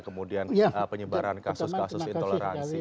kemudian penyebaran kasus kasus intoleransi